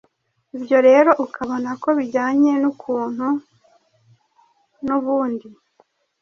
Ibyo rero ukabona ko bijyanye n’ukuntu n’ubundi